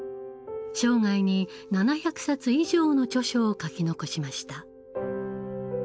生涯に７００冊以上の著書を書き残しました。